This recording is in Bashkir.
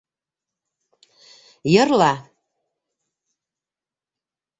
Йырла.